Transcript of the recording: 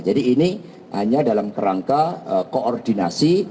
jadi ini hanya dalam kerangka koordinasi